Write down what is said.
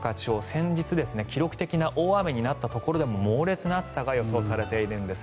先日、記録的な大雨になったところでも猛烈な暑さが予想されているんです。